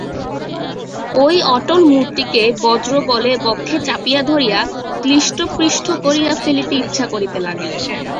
ঐ অটল মূর্তিকে বজ্রবলে বক্ষে চাপিয়া ধরিয়া ক্লিষ্ট পিষ্ট করিয়া ফেলিতে ইচ্ছা করিতে লাগিল।